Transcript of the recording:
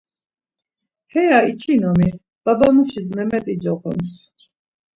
Heva içinomi, babamuşis Memet̆i coxons.